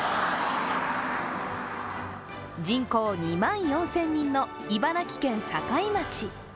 人口２万４０００人の茨城県境町。